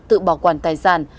tự bảo quản tài sản